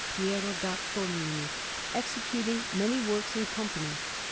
Piero Gattolini, executing many works in company.